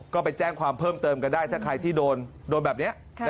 ก็ไปแจ้งความเพิ่มเติมกันได้ถ้าใครที่โดนแบบนี้